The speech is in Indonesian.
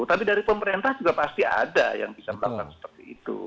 tapi dari pemerintah juga pasti ada yang bisa melakukan seperti itu